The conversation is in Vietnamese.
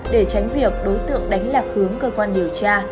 để tránh việc đối tượng đánh lạc hướng cơ quan điều tra